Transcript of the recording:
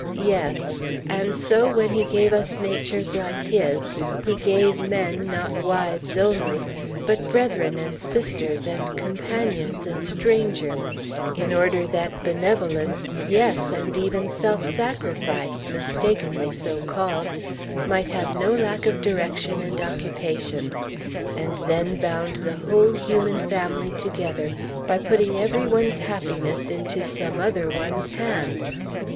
Yes; and so when He gave us natures like His, He gave men not wives only, but brethren and sisters and companions and strangers, in order that benevolence, yes, and even self sacrifice, mistakenly so called, might have no lack of direction and occupation; and then bound the whole human family together by putting every one's happiness into some other one's hands.